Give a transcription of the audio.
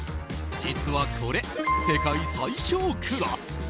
実はこれ、世界最小クラス。